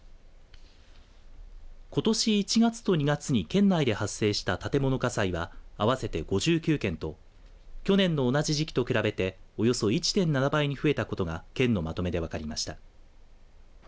ことし１月と２月に県内で発生した建物火災は合わせて５９件と去年の同じ時期と比べておよそ１．７倍に増えたことが県のまとめで分かりました。